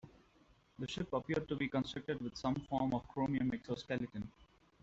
The ship appeared to be constructed with some form of chromium exoskeleton.